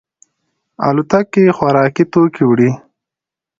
الوتکې خوراکي توکي وړي.